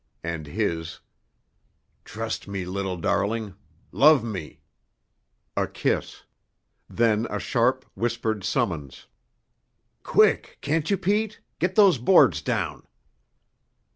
And his: "Trust me, little darling. Love me." A kiss. Then a sharp, whispered summons: "Quick, can't you, Pete? Get these boards down."